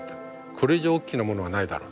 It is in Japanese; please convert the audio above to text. これ以上おっきなものはないだろうと。